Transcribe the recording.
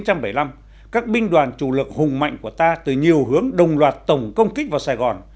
ngày hai mươi chín tháng bốn năm một nghìn chín trăm bảy mươi năm các binh đoàn chủ lực hùng mạnh của ta từ nhiều hướng đồng loạt tổng công kích vào sài gòn